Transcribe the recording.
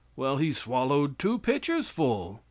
"Well, he swallowed two pitchers full."